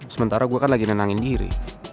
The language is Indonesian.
sementara gue kan lagi nenangin diri